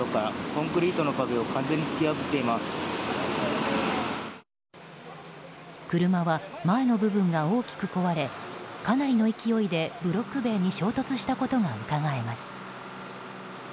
コンクリートの壁を車は前の部分が大きく壊れかなりの勢いでブロック塀に衝突したことがうかがえます。